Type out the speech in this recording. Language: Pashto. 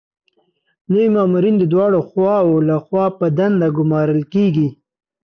نوي مامورین د دواړو خواوو لخوا په دنده ګمارل کیږي.